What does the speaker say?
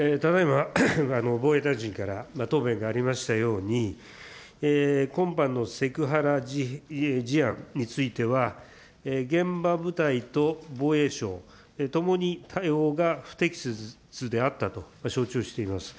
ただいま、防衛大臣から答弁がありましたように、今般のセクハラ事案については、現場部隊と防衛省、ともに対応が不適切であったと承知をしています。